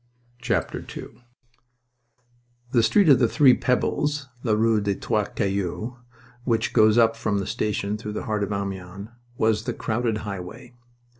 II The Street of the Three Pebbles la rue des Trois Cailloux which goes up from the station through the heart of Amiens, was the crowded highway.